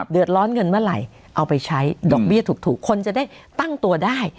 เดือดร้อนเงินเมื่อไหร่เอาไปใช้ดอกเบี้ยถูกคนจะได้ตั้งตัวได้